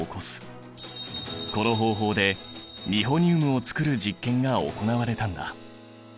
この方法でニホニウムを作る実験が行われたんだ。